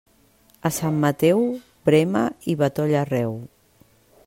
A Sant Mateu, verema i batolla arreu.